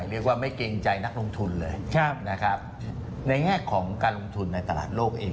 เรียกว่าไม่เกรงใจนักลงทุนเลยนะครับในแง่ของการลงทุนในตลาดโลกเอง